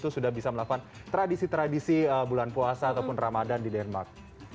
sudah bisa melakukan tradisi tradisi bulan puasa ataupun ramadan di denmark